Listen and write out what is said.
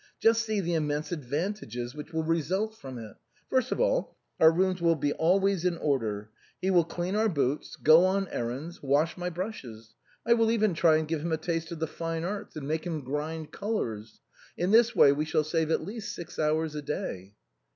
Just see the immense advantages which will result from it. First of all, our rooms will be always in order ; he will clean our boots, go on errands, wash my brushes; I will even try and give him a taste for the fine arts, and make him grind colors. In this way we shall save at least six hours a day."